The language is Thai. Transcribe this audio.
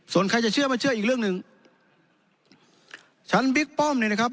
ส่วนใครจะเชื่อไม่เชื่ออีกเรื่องหนึ่งชั้นบิ๊กป้อมเนี่ยนะครับ